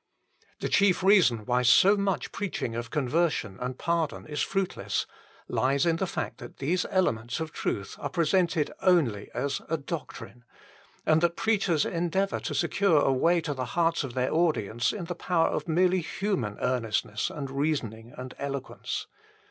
The chief reason why so much preaching of conversion and pardon is fruitless lies in the fact that these elements of truth are presented only as a doctrine, and that preachers endeavour to secure a way to the hearts of their audience in the power of merely human earnestness, and reasoning, and eloquence.